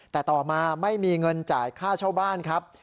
แต่ต่อมาไม่มีเงินจ่ายค่าเช่าบ้านครับ